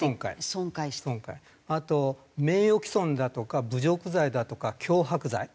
あと名誉毀損だとか侮辱罪だとか脅迫罪。